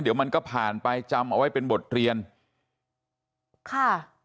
เดี๋ยวมันก็ผ่านไปจำเอาไว้เป็นบทเรียนค่ะ